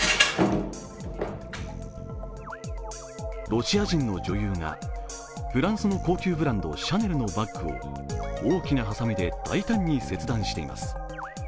ロシア人の女優がフランスの高級ブランドシャネルのバッグを大きなはさみで大胆に切断しています。